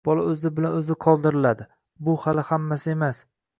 bola o‘zi bilan o‘zi qoldiriladi. Bu hali hammasi emas.